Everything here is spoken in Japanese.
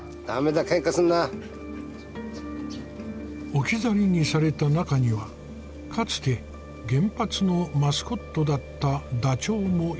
置き去りにされた中にはかつて原発のマスコットだったダチョウもいた。